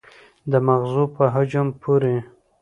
د مغزو په حجم پورې